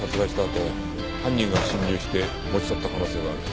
あと犯人が侵入して持ち去った可能性がある。